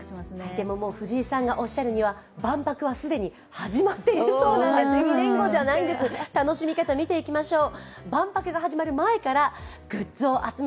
でも、藤井さんがおっしゃるには万博は既に始まっている、２年後じゃないんです、楽しみ方を見ていきましょう。